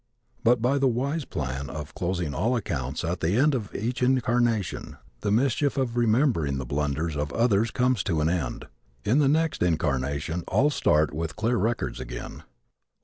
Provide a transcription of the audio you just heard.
But by the wise plan of closing all accounts at the end of each incarnation the mischief of remembering the blunders of others comes to an end. In the next incarnation all start with clear records again.